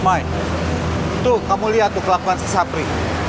mai tuh kamu lihat kelakuan si sapri